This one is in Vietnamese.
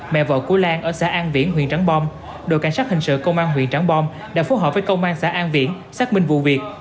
mẹ vợ của lan ở xã an viễn huyện trắng bom đội cảnh sát hình sự công an huyện trảng bom đã phối hợp với công an xã an viễn xác minh vụ việc